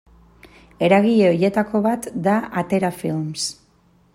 Eragile horietako bat da Atera Films.